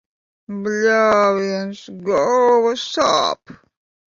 Bļāviens, galva sāp.